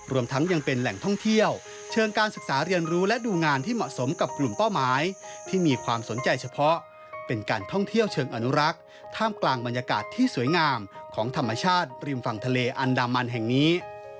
รวมทั้งยังเป็นแหล่งท่องเที่ยวเชิงการศึกษาเรียนรู้และดูงานที่เหมาะสมกับกลุ่มเป้าหมายที่มีความสนใจเฉพาะเป็นการท่องเที่ยวเชิงอนุรักษ์ท่ามกลางบรรยากาศที่สวยงามของธรรมชาติริมฝั่งทะเลอันดามันแห่งนี้